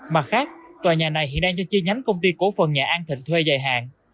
mặt khác tòa nhà này hiện đang cho chi nhánh công ty cổ phần nhà an thịnh thuê dài hạn